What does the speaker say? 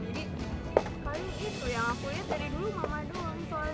jadi kayak gitu yang aku lihat dari dulu mama doang soalnya